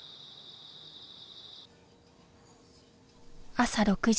朝６時。